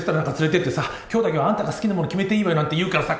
今日だけはあんたが好きなもの決めていいわよなんて言うからさ